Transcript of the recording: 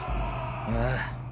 ああ。